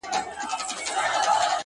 اوس مي د زړه كورگى تياره غوندي دى ـ